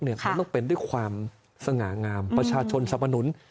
มันต้องเป็นด้วยความสง่างามประชาชนสรรพนุน